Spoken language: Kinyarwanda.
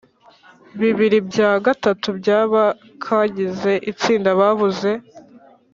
Bibiri bya gatatu byabakagize itsinda babuze